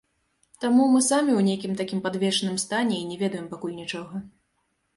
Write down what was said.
Таму мы самі ў нейкім такім падвешаным стане і не ведаем пакуль нічога.